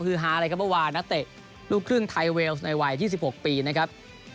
คือฮารัยกับวานาเตะลูกครึ่งไทยเวลส์ในวัยที่๑๖ปีนะครับ